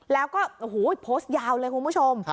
แล้วก็โอ้โหโพสต์ยาวเลยคุณผู้ชม